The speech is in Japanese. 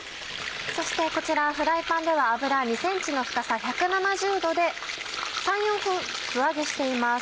そしてこちらフライパンでは油２ｃｍの深さ１７０℃で３４分素揚げしています。